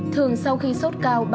thường sau khi sốt cao